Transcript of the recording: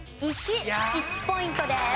１。１ポイントです。